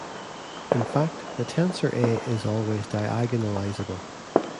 In fact the tensor A is always diagonalizable.